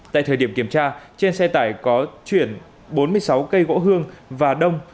tại thời điểm kiểm tra trên xe tải có chuyển bốn mươi sáu cây gỗ hương và đông